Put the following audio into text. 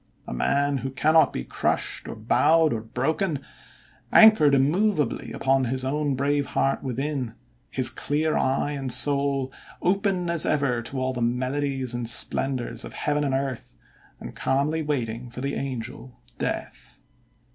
A man, who cannot be crushed, or bowed, or broken; anchored immovably upon his own brave heart within; his clear eye and soul open as ever to all the melodies and splendors of heaven and earth, and calmly waiting for the angel, Death."